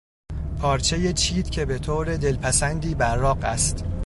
پارچهی چیت که به طور دلپسندی براق است